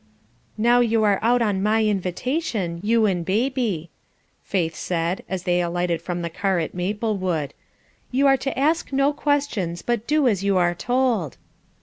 "Now you are out on my invitation, you and baby," Faith said, as they alighted from the car at Maplewood. "You are to ask no questions, but do as you are told."